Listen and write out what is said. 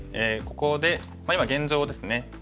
ここで今現状ですね。